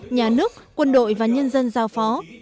nhà nước quân đội và nhân dân giao phó